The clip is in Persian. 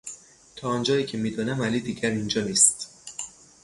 تا آنجایی که میدانم علی دیگر اینجا نیست.